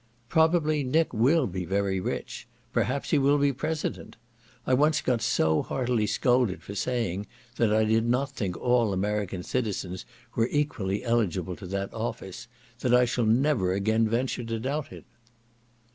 Probably Nick will be very rich; perhaps he will be President. I once got so heartily scolded for saying, that I did not think all American citizens were equally eligible to that office, that I shall never again venture to doubt it.